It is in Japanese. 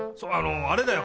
あれだよ